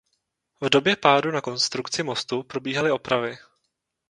V době pádu na konstrukci mostu probíhaly opravy.